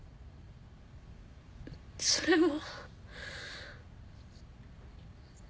それは。